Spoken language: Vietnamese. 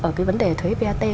ở cái vấn đề thuế vat